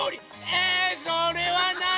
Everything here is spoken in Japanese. えそれはない！